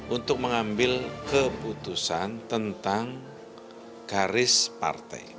untuk mengambil keputusan tentang garis partai